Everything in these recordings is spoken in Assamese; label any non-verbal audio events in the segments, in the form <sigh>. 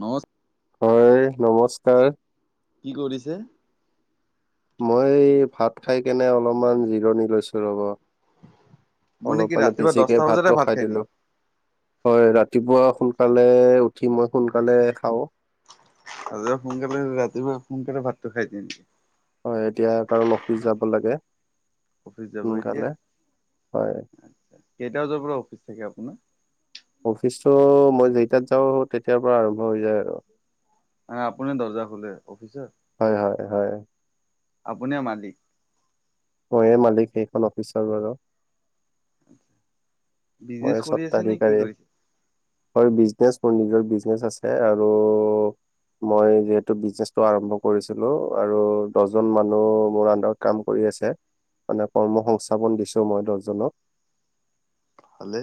নমস্ হয় নমস্কাৰ কি কৰিছে মই ভাত খাই কেনে অলমান জিৰণি লৈছো ৰ'ব অলপ কি মানে ৰাতিপুৱা বেছিকে দহটা বজাতে ভাতটো ভাত খাই দিলো নেকি? হয় ৰাতিপুৱা সোনকালে উঠি মই সোনকালে খাও আজে সোনকালে ৰাতিপুৱা সোনকালে ভাতটো খাই দিয়ে নেকি? হয় এতিয়া কাৰণ অফিচ যাব লাগে অফিচ যাব এতিয়া সোনকালে হয় আচ্ছা কেইটা বজাৰ পৰা অফিচ থাকে আপোনাৰ অফিচটো মই যেইটাত যাওঁ তেতিয়াৰ পৰা আৰম্ভ হৈ যায় আৰু মানে আপুনি দৰ্জা খোলে অফিচৰ হয় হয় হয় আপুনিয়ে মালিক মইয়ে মালিক সেইখন অফিচৰ বাৰু মই বিজনেচ কৰি আছে নে কি স্বত্বাধিকাৰী কৰিছে হয় বিজনেছ মোৰ নিজৰ বিজনেচ আছে আৰু মই যিহেতু বিজনেচটো আৰম্ভ কৰিছিলো আৰু দহজন মানুহ মোৰ আন্দাৰত কাম কৰি আছে মানে কৰ্ম সংস্থাপন দিছো মই দহজনক ভালে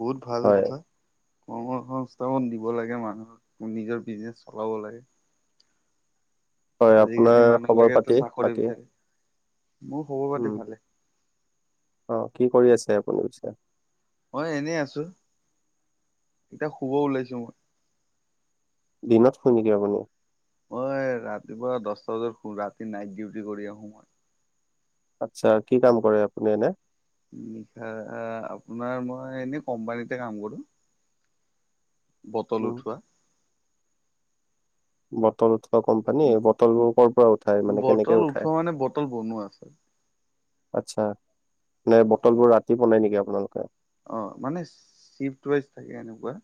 বহুত ভাল হয় কথা কৰ্মসংস্থাপন দিব লাগে মানুহক নিজৰ বিজনেচ চলাব লাগে হয় আজিকালি আপোনাৰ খবৰ মানুহবিলাকেতো পাতি চাকৰি বাকী বিচাৰে। মোৰ খবৰ পাতি উম ভালে। অ কি কৰি আছে আপুনি পিছে মই এনেই আছো এতিয়া শুব ওলাইছো মই দিনত শুৱে নেকি আপুনি মই ৰাতিপুৱা দছটা বজাত শু ৰাতি নাইট ডিউটি কৰি আহো মই আচ্ছা কি কাম কৰে আপুনি এনে নিশা আপোনাৰ মই এনে কম্পানীতে কাম কৰো বটল উম উঠোৱা বটল উঠ কম্পানী বটলবোৰ কৰ পৰা উঠাই মানে বটল কেনেকে উঠায় উঠোৱা মানে বটল বনোৱা আছে। আত্ছা নে বটলবোৰ ৰাতি বনাই নিকি আপোনালোকে অঁ মানে চিফ্ট ৱাইজ থাকে এনেকুৱা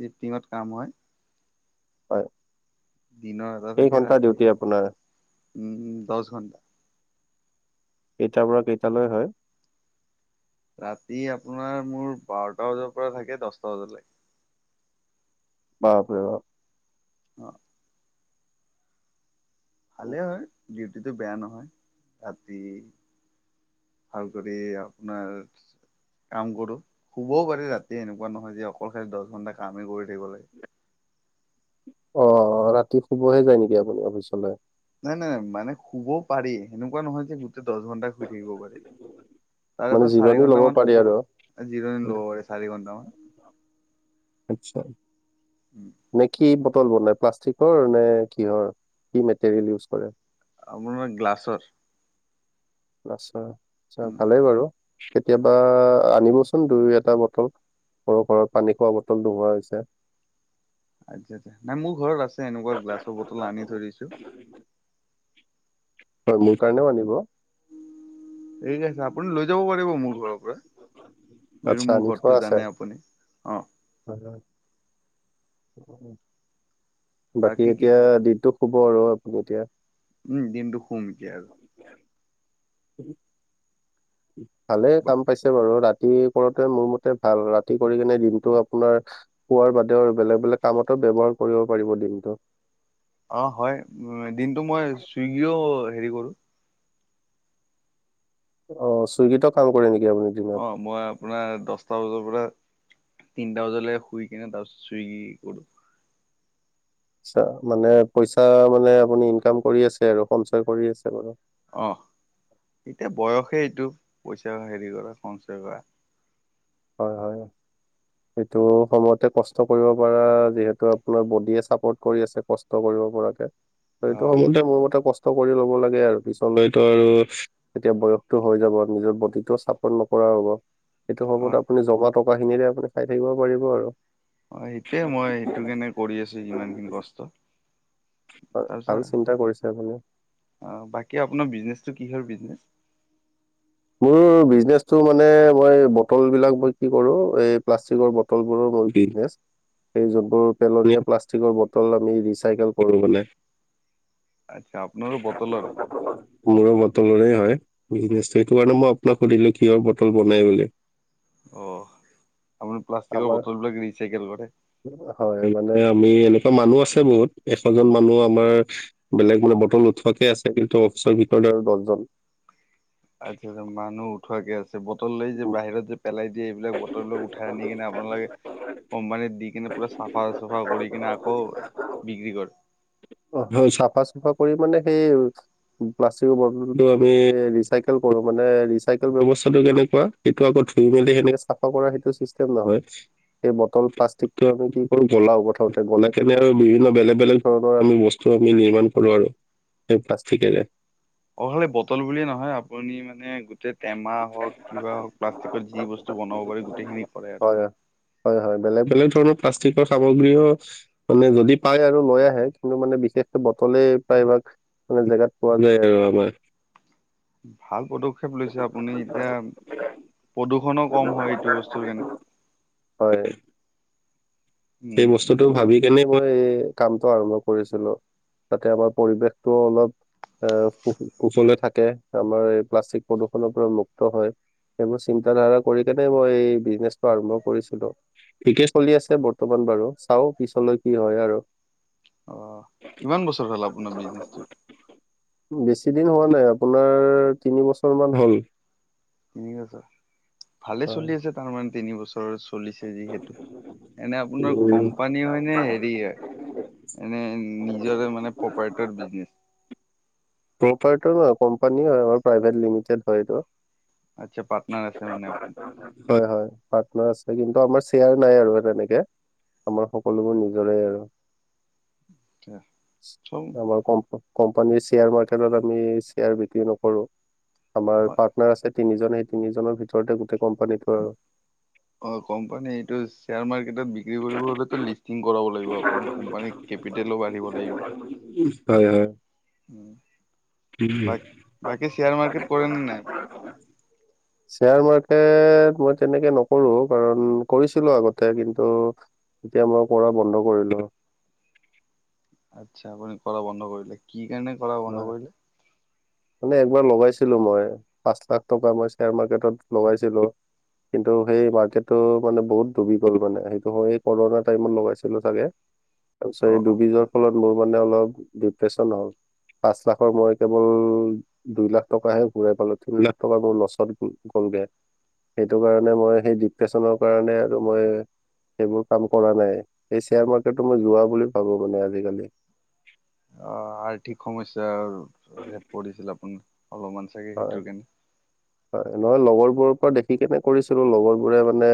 চিফ্টিঙত কাম হয় হয় দিনৰ কেই ঘন্টা ডিউটি আপোনাৰ উম উম দছ ঘণ্টা কেইটাৰ পৰা কেইটালৈ হয় ৰাতি আপোনাৰ মোৰ বাৰটা বজাৰ পৰা থাকে দছটা বজালৈ বাপৰে বাপ অঁ ভালেই অ হয় ডিউটিটো বেয়া নহয় ৰাতি ভাল কৰি আপোনাৰ কাম কৰো শুবও পাৰি ৰাতি এনেকুৱা নহয় যে অকল খালি দহ ঘণ্টা কামেই কৰি থাকিব লাগে। অ', অ' ৰাতি শুবহে যায় নেকি আপুনি অফিচলৈ? নাই নাই মানে শুবও পাৰি সেনেকুৱা নহয় যে গোট দহ ঘন্টাই শুই থাকিব পাৰি। তাৰে মানে পৰা চাৰি জিৰণি লব ঘন্টা মান পাৰি শুব আৰু জিৰণি ল'ব পাৰি চাৰি ঘণ্টামান। আচ্ছা। উম। নে কি বটল বনাই প্লাষ্টিকৰ নে কিহৰ কি মেটেৰিয়েল ইউজ কৰে? আপোনাৰ গ্লাছৰ। গ্লাছৰ আচ্ছা উম ভালেই বাৰু কেতিয়াবা আনিবচোন দুই এটা বটল। সৰু সৰু পানী খোৱা বটল নোহোৱা হৈছে। আচ্ছা আচ্ছা নাই মোৰ ঘৰত আছে এনেকুৱা গ্লাছৰ বটল আনি থৈ দিছো। হয়, মোৰ কাৰণেও আনিব। ঠিক আছে, আপুনি লৈ যাব পাৰিব মোৰ ঘৰৰ পৰা যিহেতু মোৰ ঘৰটো জানেই আপুনি অ'। হয়, হয়, উম বাকী এতিয়া দিনটো শুব আৰু আপুনি এতিয়া? উম, দিনটো শুম এতিয়া আৰু। ভালেই কাম পাইছে বাৰু ৰাতি কৰোতে মোৰ মতে ভাল। ৰাতি কৰি কিনে দিনটো আপোনাৰ শোৱাৰ বাদেও বেলেগ বেলেগ কামতো ব্যৱহাৰ কৰিব পাৰিব দিনটো। অ', হয় উম দিনটো মই চুইগিও হেৰি কৰো। অ', চুইগিতো কাম কৰে নেকি আপুনি? দিনত অ', মই আপোনাৰ দহটা বজাৰ পৰা তিনিটা বজালৈ শুই কিনে তাৰপিছত চুইগি কৰো। আচ্ছা মানে পইচা মানে আপুনি ইনকাম কৰি আছে আৰু সঞ্চয় কৰি আছে বাৰু। অহ এতিয়া বয়সেই এইটো পইচা হেৰি কৰা সঞ্চয় কৰা। হয়, হয়। এইটো সময়তে কষ্ট কৰিব পাৰা যিহেতু আপোনাৰ বডিয়ে চাপৰ্ট কৰি আছে কষ্ট কষ্ট কৰিব পৰাকে। অ সেইটো সময়তে মোৰ মতে কষ্ট কৰি ল'ব লাগে আৰু পিছলৈটো আৰু এতিয়া বয়সটো হৈ যাব নিজৰ বডিটোও চাপৰ্ট নকৰা হ'ব। সেইটো সময়ত হয় আপুনি জমা টকাখিনিৰে আপুনি খাই থাকিব পাৰিব আৰু। অ', সেইটোৱে মই সেইটোৰ কাৰণে কৰি আছো ইমানখিনি কষ্ট। হয়, ভাল তাৰপিছত চিন্তা কৰিছে আপুনি। অ', বাকী আপোনাৰ বিজনেচটো কিহৰ বিজনেচ? মোৰ বিজনেচটো মানে মই বটলবিলাক মই কি কৰো। এই প্লাষ্টিকৰ বটল বটলবোৰৰ মোৰ বিজনেছ। সেই যোনবোৰ পেলনীয়া প্লাষ্টিকৰ বটল আমি ৰিচাইকেল কৰো মানে। আচ্ছা আপোনাৰো বটলৰে? <inaudible> মোৰো বটলৰে হয় বিজনেচটো সেইটো কাৰণে মই আপোনাক সুধিলো কিহৰ বটল বনাই বুলি। অ', আপুনি প্লাষ্টিকৰ আমাৰ বটলবিলাক ৰিচাইকেল কৰে? হয়, মানে আমি এনেকুৱা মানুহ আছে বহুত এশজন মানুহ আমাৰ বেলেগ মানে বটল উঠোৱাকে আছে কিন্তু অফিচৰ ভিতৰত আৰু দহজন। আচ্ছা মানুহ উঠোৱাকে আছে। বটল লৈ যে উম, বাহিৰত যে পেলাই দিয়ে এইবিলাক বটল বিলাক উঠাই আনি কিনে আপোনালোকে কোম্পানী দি কিনে, পুৰা চাফা চুফা কৰি কিনে আকৌ বিক্ৰী কৰে। অ' হয়, চাফা চুফা কৰি মানে সেই প্লাষ্টিকৰ বটলটো আমি ৰিচাইকেল কৰোঁ, মানে ৰিচাইকেল ব্যৱস্থাটো কেনে কুৱা, সেইটো আকৌ ধুই মেলি সেনেকে চাফা কৰা সেইটো চিষ্টেম নহয়। সেই বটল প্লাষ্টিকটো আমি কি কৰোঁ গলাও প্ৰথমতে গলাই কেনে আৰু বিভিন্ন বেলেগ বেলেগ ধৰণৰ আমি বছ টো আমি নিৰ্মাণ কৰোঁ আৰু সেই প্লাষ্টিকেৰে। অ' খালি বটল বুলিয়ে নহয় আপুনি মানে গো টেই টেমা হওঁক, কিবা হওঁক, প্লাষ্টিকৰ যি বস্তু বনাব পাৰি গোটেইখিনি কৰে আৰু। হয় হয় হয়, বেলেগ বেলেগ ধৰণৰ প্লাষ্টিকৰ সামগ্ৰীও মানে যদি পায় আৰু লৈ আহে কিন্তু মানে বিশেষকে বটলে প্ৰায়ভাগ মানে জেগাত পোৱা যায় আৰু আমাৰ। ভাল পদক্ষেপ লৈছে আপুনি, এতিয়া প্ৰদূষণো কম হয় এইটো বস্তুৰ কাৰণে। হয়। সেই উম উম। বস্তুটো ভাবি তেনেকৈয়ে কামটো আৰম্ভ কৰিছিলোঁ যাতে আমাৰ পৰিৱেশটো অলপ এ, সু-কুশলে থাকে, আমাৰ এই প্লাষ্টিক প্ৰদূষণৰ পৰা মুক্ত হয়। সেইবোৰ চিন্তা ধাৰা কৰি কিনে মই এই বিজনেচটো আৰম্ভ কৰিছিলোঁ। ঠিকে চলি আছে ব তমান বাৰু, চাওঁ পিছলৈ কি হয় আৰু। অ', কিমান বছৰ হ'ল আপোনাৰ বিজনেচটো? বেছি দিন হোৱা নাই, আপোনাৰ তিনি বছৰ মান হ'ল। তিনি বছৰ, ভালে হয় চলি আছে তাৰমানে তিনি বছৰ চলিছে যিহেতু। এনে আপোনাৰ কোম্পানী হয় নে হেৰি হয় এনে নিজৰে মানে প্ৰপাৰ্টৰ বিজনেচ? প্ৰপাৰ্টৰ নহয়, কোম্পানীয়ে হয় আমাৰ প্ৰাইভেট লিমিটেড হয় এইটো। আচ্ছা, পাৰ্টনাৰ আছে মানে আপুনি। হয় হয়, পাৰ্টনাৰ আছে কিন্তু আমাৰ শ্বেয়াৰ নাই আৰু তেনেকে। আমাৰ সকলোবোৰ নিজৰে আৰু। আপোনাৰ চব আমাৰ কোম্প-কোম্পানীৰ শ্বেয়াৰ মাৰ্কে কেটত আমি শ্বেয়াৰ বিক্ৰি নোকৰোঁ, আমাৰ অ পাৰ্টনাৰ আছে। তিনিজন সেই তিনিজনৰ ভিতৰতে গোটেই কোম্পানীটো আৰু। অ' কোম্পানী এইটো শ্বেয়াৰ মাৰ্কেটত বিক্ৰী কৰিব হ'লেতো লিষ্টিং কৰাব লাগিব আপোনাৰ কোম্পানীক কেপিটেলো বাঢ়িব লাগিব। উ, হয় হয়। উ, উম বাক-বাকী শ্বেয়াৰ মাৰ্কেট কৰে নে নাই আপুনি? শ্বেয়াৰ মাৰ্কেট মই তেনেকে নোকৰোঁ কাৰণ, কৰিছিলোঁ আগতে কিন্তু এতিয়া মই কৰা বন্ধ কৰিলোঁ। আচ্ছা, আপুনি কৰা বন্ধ কৰিলে, কি কাৰণে কৰা বন্ধ কৰিলে? মানে একবাৰ লগাইছিলোঁ মই, পাঁচ লাখ টকা মই শ্বেয়াৰ মাৰ্কেটত লগাইছিলোঁ কিন্তু সেই মাৰ্কেটটো মানে বহুত ডুবি গ'ল মানে, সেইটো মই এই কৰণাৰ টাইমত লগাইছিলোঁ চাগে। তাৰপিছত অ এই অ ডুবি যোৱাৰ ফলত মোৰ মানে অলপ ডিপ্ৰেছন হ'ল। পাঁচ লাখৰ মই কেৱল দুই লাখ টকাহে ঘূৰাই পালোঁ, তিনি লাখ টকা মোৰ লছত গ'ল-গ'লগে। সেইটো কাৰণে মই, সেই ডিপ্ৰেছনৰ কাৰণে আৰু মই সেইবোৰ কাম কৰা নাই। এই শ্বেয়াৰ মাৰ্কেটটো মই জুৱা বুলি ভাবোঁ মানে আজিকালি। অ' আৰ্থিক সমস্যাৰ সেইত পৰিছিল আপুনি, অলপমান চাগে হয় সেইটোৰ কাৰণে। হয়। নহয়, লগৰবোৰৰ পৰা দেখি কেনে কৰিছিলো। লগৰবোৰে মানে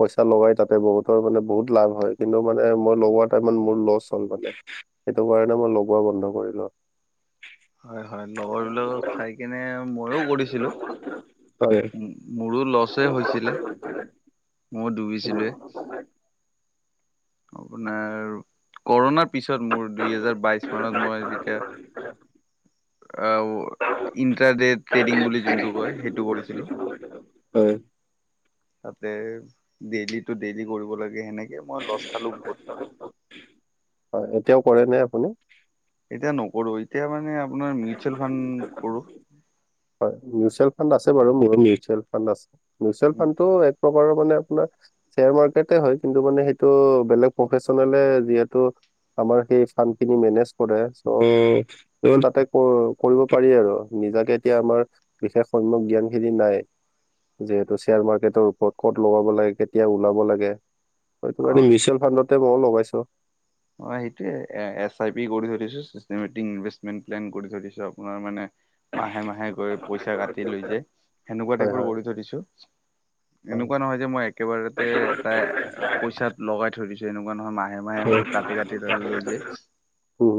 পইচা লগাই তাতে। বহুতৰ মানে বহুত লাভ হয়, কিন্তু মানে মই লগোৱা টাইমত মোৰ লছ হ'ল মানে। সেইটো কাৰণে মই লগোৱা বন্ধ কৰিলো। হয়। হয়। লগৰবিলাকক চাই কেনে ময়ো কৰিছিলো। হয় উম মোৰো লছে হৈছিলে। মোৰো ডুবিছিলে। আপোনাৰ ক'ৰোণাৰ পিছত মোৰ, দুই হেজাৰ বাইশ মানত মই ৰি আহ ইণ্টাৰদে' ট্ৰেডিং বুলি যোনটো কয়, সেইটো কৰিছিলোঁ। হয়। তাতে ডেইলিটো ডেইলি কৰিব লাগে। সেনেকে মই লছ খালো বহুত। হয়। এতিয়াও কৰেনে আপুনি? এতিয়া নকৰো। এতিয়া মানে আপোনাৰ মিউচুৱেল ফাণ্ড কৰো। হয়। মিউচুৱেল ফাণ্ড আছে বাৰু, মোৰো মিউচুৱেল ফাণ্ড আছে। মিউচুৱেল ফাণ্ডটো এক প্ৰকাৰৰ মানে আপোনাৰ শ্বেয়াৰ মাৰ্কেটে হয়। কিন্তু মানে সেইটো বেলেগ প্ৰফেচনেলে যিহেতু আমাৰ সেই ফাণ্ডখিনি মেনেজ কৰে। চ' কেৱল তাতে ক' কৰিব পাৰি আৰু। নিজাকে এতিয়া আমাৰ বিশেষ সম্যক জ্ঞানখিনি নাই যিহেতু শ্বেয়াৰ মাৰ্কেটৰ ওপৰত ক'ত লগাব লাগে, কেতিয়া ওলাব লাগে সেইটো কাৰণে মিউচুৱেল ফাণ্ডতে মইয়ো লগাইছো। মই‌ সেইটোৱে। এছ আই পি কৰি থৈ দিছোঁ। চিষ্টেমেটিক ইনভেষ্টমেণ্ট প্লেন কৰি থৈ দিছোঁ। আপোনাৰ মানে মাহে -মাহে গৈ পইচা কাটি লৈ যায়। সেনেকুৱা হয় টাইপৰ হয় কৰি থৈ দিছোঁ। এনেকুৱা নহয় যে, মই একেবাৰতে এটা পইচাত লগাই থৈ দিছোঁ যে এনেকুৱা নহয়, মাহে -মাহে মোৰ হয় কাটি -কাটি তালৈ লৈ যায় উম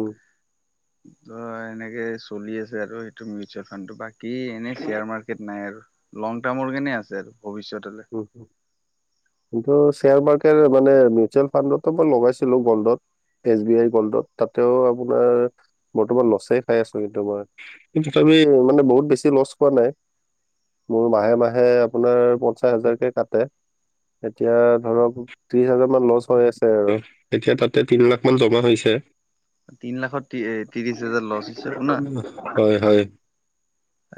ত' এনেকে চলি আছে আৰু, সেইটো মিউচুৱেল ফাণ্ডটো। বাকী কি এনেই শ্বেয়াৰ মাৰ্কেট নাই আৰু। লং টাৰ্মৰ কাৰণে আছে আৰু, ভৱিষ্যতলৈ উম। উ কিন্তু শ্বেয়াৰ মাৰ্কেট মানে মিউচুৱেল ফাণ্ডতো মই লগাইছিলো, গোল্ডত। এছ বি আইৰ গোল্ডত। তাতেও আপোনাৰ বৰ্তমান লছে খাই আছো কিন্তু মই। কিন্তু তথাপি মানে বহুত বেছি লছ খোৱা নাই। মোৰ মাহে -মাহে আপোনাৰ পোন্ধ পঞ্চাছ হাজাৰকে কাটে। এতিয়া ধৰক, ত্ৰিশ হাজাৰ মান লচ হৈ আছে আৰু। এতিয়া তাতে তিন লাখমান জমা হৈছে? তিন লাখত তি ত্ৰিশহাজাৰ লছ হৈছে আপোনাৰ? হয় হয়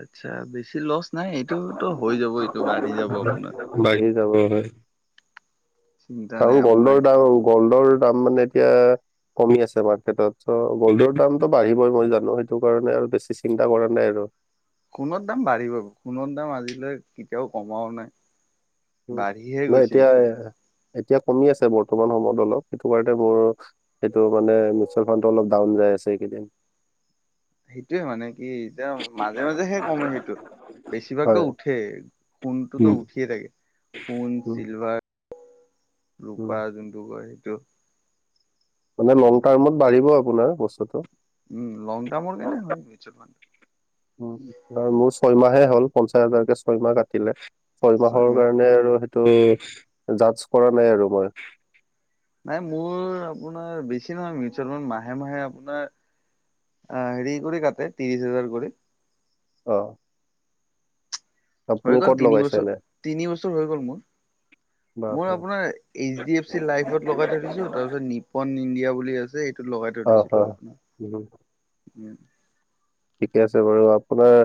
আচ্ছা। বেছি লছ নাই। এইটো তো হৈ যাবই। -টো বাঢ়ি যাব আপোনাৰ। বাঢ়ি যাব হয়। হয়। চিন্তা আৰু নাই গোল্ডৰ আপোনাৰ সেইটো। দাম গগল্ডৰ দাম মানে এতিয়া কমি আছে মাৰ্কেটত। চ' গোল্ডৰ দামটো বাঢ়িবই, মই জানো। সেইটো কাৰণে আৰু বেছি চিন্তা কৰা নাই আৰু। সোণৰ দাম বাঢ়িবই। সোণৰ দাম আজিলৈ কেতিয়াও কমাও নাই। উম। বাঢ়িহে নাই গৈছে এতিয়া, এইটো। এতিয়া কমি আছে বৰ্তমান সময়ত অলপ। সেইটো কাৰণে মোৰ সেইটো মানে মিউচুৱেল ফাণ্ডটো অলপ ডাউন যাই আছে এইকেইদিন। সেইটোয়ে মানে কি, এতিয়া মাজে- মাজেহে কমে সেইটো। বেছিভাগটো হয়। উঠে। সোণটোতো উম। উঠিয়ে থাকে। সোণ, উম, চিলভাৰ, উম, ৰূপা যোনটো কয়, সেইটো। মানে লং টাৰ্মত বাঢ়িব আপোনাৰ, বস্তুটো। উম লং টাৰ্মৰ কাৰনে হয়, মিউচুৱেল ফাণ্ডটো। উম। মোৰ ছয়মাহে হ'ল। পঞ্চাছ হাজাৰকে ছয়মাহ কাটিলে। ছয় মাহৰ ছয়মাহ কাৰণে আৰু সেইটো জাজ কৰা নাই আৰু মই। নাই মোৰ আপোনাৰ বেছি নহয় মিউচুৱেল ফাণ্ড মাহে মাহে আপোনাৰ অ' হেৰি কৰি কাটে ত্ৰিশ হাজাৰ কৰি। অ'। আপুনি হৈ গ'ল ক'ত লগাইছে তিনিবছৰ। এনে তিনি বছৰ হৈ গ'ল মোৰ। মোৰ বাপৰে আপোনাৰ এইচ ডি এফ চি লাইফত লগাই দিছো তাৰপিছত নিপন ইণ্ডিয়া বুলি আছে এইটোত লগাই থৈ অ', দিছিলো অ'। উম, আপোনাৰ। উম। ঠিকে আছে বাৰু আপোনাৰ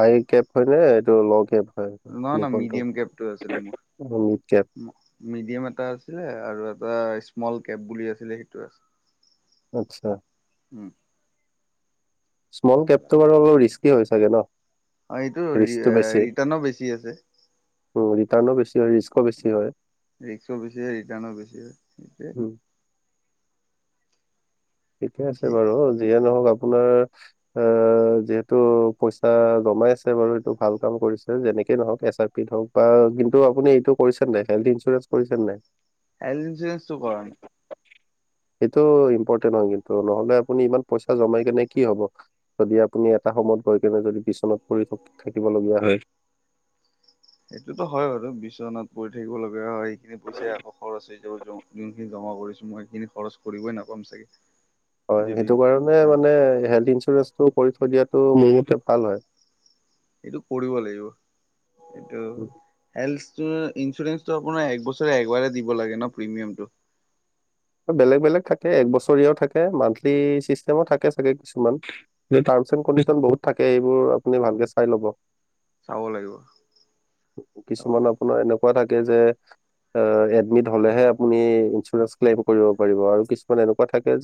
হাই কেব হয়নে এইটো লো কেব। নহয় নহয় মিডিয়াম কেবটো আছিলে মোৰ। মিড কেপ মিডিয়াম এটা আছিলে আৰু এটা স্মল কেপ বুলি আছিলে সেইটো আছে আচ্ছা। উম, স্মল কেপটো বাৰু অলপ ৰিস্কি হৈ চাগে ন? অ' এইটো ৰি ৰিস্কটো বেছি ৰিটাৰ্ণো বেছি আছে। উম ৰিটাৰ্ণো বেছি হয় ৰিস্কও বেছি হয়। ৰিস্কো বেছি হয় ৰিটাৰ্ণো বেছি হয় সেইটোৱে। উম, ঠিকে আছে ঠিক বাৰু, যিয়ে নহওক আপোনাৰ এ এ যিহেতু পইচা জমাই আছে বাৰু, এইটো ভাল কাম কৰিছে যেনেকে নহক এচ আই পিত হওক বা কিন্তু আপুনি এইটো কৰিছে নাই, হেল্থ ইঞ্চুৰেঞ্চ কৰিছে নে নাই? হেল্থ ইঞ্চুৰেঞ্চটো কৰা নাই। সেইটো ইম্পৰ্টেন্ট হয় কিন্তু, নহ'লে আপুনি ইমান পইচা জমাই কেনে কি হ'ব? যদি আপুনি এটা সময়ত গৈ একেবাৰে যদি বিচনাত পৰি থক- থাকিবলগীয়া হয়। সেইটোতো হয় বাৰু বিচনাত পৰি থাকিব লগীয়া হয়, সেইখিনি পইচাই আকৌ খৰচ হৈ যাব, যো- যোনখিনি জমা কৰিছো, মই সেইখিনি খৰচ কৰিবই নাপাম চাগে। হয়, যদি সেইটো কাৰণে মানে হেল্থ ইঞ্চুৰেঞ্চটো কৰি থৈ দিয়াটো মোৰ মতে ভাল হয়। এইটো কৰিব লাগিব। এইটো হেল্থ ইঞ্চুৰেঞ্চটো আপোনাৰ এক বছৰে একবাৰে দিব লাগে ন' প্ৰিমিয়ামটো। বেলেগ বেলেগ থাকে, এক বছৰীয়াও থাকে মান্থলি চিষ্টেমো থাকে চাগে কিছুমান। টাৰ্মছ এণ্ড কণ্ডিশন বহুত থাকে এইবোৰ আপুনি ভালকে চাই ল'ব। চাব লাগিব চাব কিছুমান লাগিব। আপোনাৰ এনেকুৱা এনেকুৱা থাকে যে, এডমিট হ'লেহে আপুনি ইন্সুৰেঞ্চ ক্লেইম কৰিব পাৰিব আৰু কিছুমান এনেকুৱা থাকে যে